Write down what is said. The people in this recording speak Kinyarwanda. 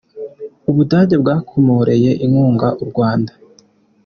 U Budage bwakomoreye inkunga u Rwanda